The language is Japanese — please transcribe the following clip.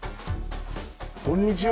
こんにちは。